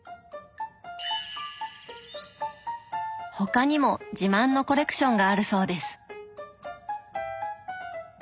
他にも自慢のコレクションがあるそうです。